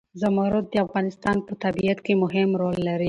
زمرد د افغانستان په طبیعت کې مهم رول لري.